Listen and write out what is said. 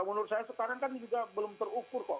menurut saya sekarang kan juga belum terukur kok